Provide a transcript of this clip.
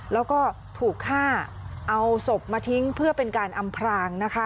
แล้วก็ถูกฆ่าเอาศพมาทิ้งเพื่อเป็นการอำพรางนะคะ